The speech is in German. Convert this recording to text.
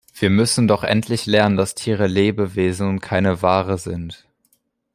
Wir müssen doch endlich lernen, dass Tiere Lebewesen und keine Ware sind.